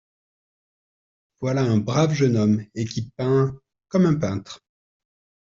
Voilà un brave jeune homme, et qui peint… comme un peintre !